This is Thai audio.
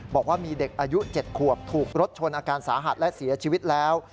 บอกว่ามีเด็กอายุ๗ขวบถูกรถชนอาการสาหัสและเสียชีวิตแล้ว